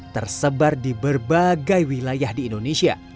tersebar di berbagai wilayah di indonesia